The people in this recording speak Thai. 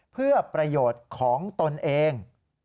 เพื่อประโยชน์ของตนเอง